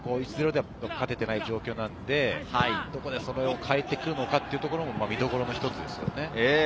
１−０では勝てていない状況なので、どこでそれを変えてくるのかというところも見どころの一つですね。